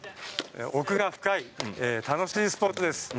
奥が深い楽しいスポーツです。